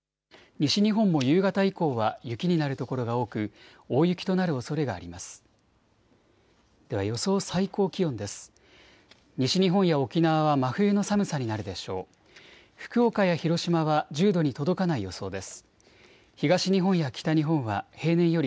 西日本も夕方以降は雪になる所が多く大雪となるおそれがあります。